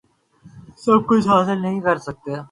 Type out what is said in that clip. تم سب کچھ حاصل نہیں کر سکتے۔